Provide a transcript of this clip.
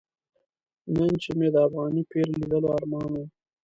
نن چې مې د افغاني پیر لیدلو ارمان و.